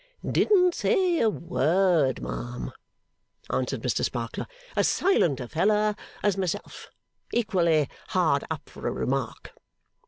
'Didn't say a word, ma'am,' answered Mr Sparkler. 'As silent a feller as myself. Equally hard up for a remark.